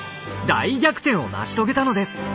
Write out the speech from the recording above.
大逆転を成し遂げたのです。